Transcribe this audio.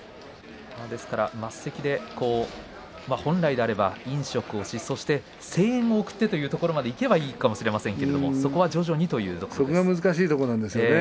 升席で本来であれば飲食をしてそして声援を送ってというところまでいけばいいかもしれませんけれどもそこは徐々にというところですね。